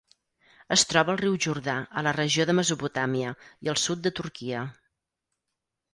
Es troba al riu Jordà, a la regió de Mesopotàmia i al sud de Turquia.